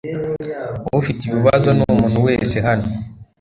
Ufite ibibazo numuntu wese hano?